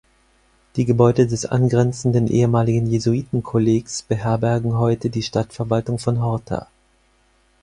Die Gebäude des angrenzenden ehemaligen Jesuitenkollegs beherbergen heute die Stadtverwaltung von Horta.